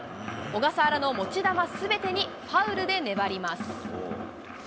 小笠原の持ち球すべてにファウルで粘ります。